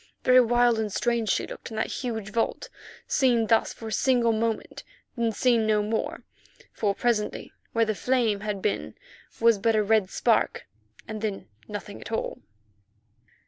Very wild and strange she looked in that huge vault, seen thus for a single moment, then seen no more, for presently where the flame had been was but a red spark, and then nothing at all.